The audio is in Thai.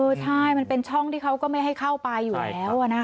ใช่มันเป็นช่องที่เขาก็ไม่ให้เข้าไปอยู่แล้ว